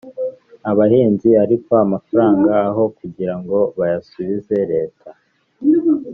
abahinzi ariko amafaranga aho kugira ngo bayasubize leta